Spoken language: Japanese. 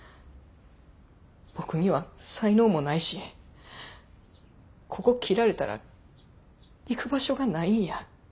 僕には才能もないしここ切られたら行く場所がないんや。